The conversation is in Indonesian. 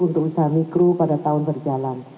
untuk usaha mikro pada tahun berjalan